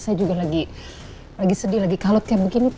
saya juga lagi sedih lagi kalut kayak begini